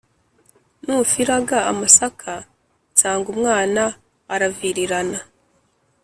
nufiraga amasaka nsanga umwana aravirirana